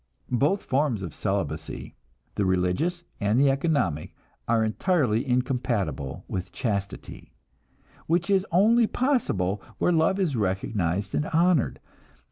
Both forms of celibacy, the religious and the economic, are entirely incompatible with chastity, which is only possible where love is recognized and honored.